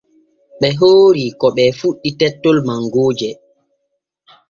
Ɓe oori ko ɓee kinni tettol mangooje.